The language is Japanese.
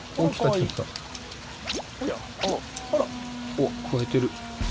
おっくわえてる。